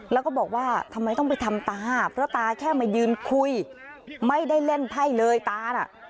แล้วก็บอกว่าทำไมต้องไปทำตาเพราะตาแค่มายืนคุยไม่ได้เล่นไพ่เลยตาน่ะ